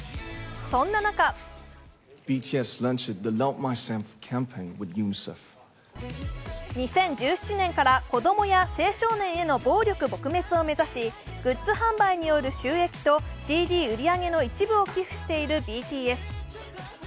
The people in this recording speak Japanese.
そんな中２０１７年から子供や青少年への暴力撲滅を目指しグッズ販売による収益とＣＤ売り上げの一部を寄付しているＢＴＳ。